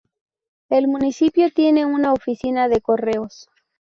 El municipio tiene una oficina de correos.